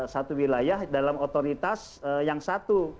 satu wilayah dalam otoritas yang satu